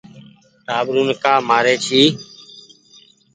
ٽآٻرون ڪآ مآري جي